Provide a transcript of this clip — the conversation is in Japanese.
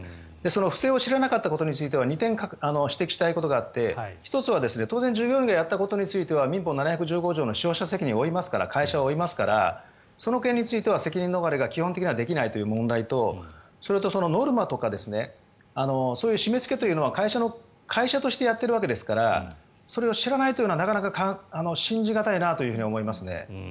不正を知らなかったことについては２点指摘したいことがあって１つは当然使用者がやったことについては民法７１５条の使用者責任を負いますから会社は負いますからその件については責任逃れは基本的にできないという問題とノルマとか締めつけは会社としてやっているわけですからそれを知らないというのはなかなか信じ難いなと思います。